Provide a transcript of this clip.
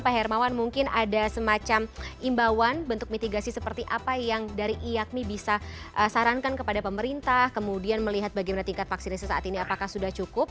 pak hermawan mungkin ada semacam imbauan bentuk mitigasi seperti apa yang dari iakmi bisa sarankan kepada pemerintah kemudian melihat bagaimana tingkat vaksinasi saat ini apakah sudah cukup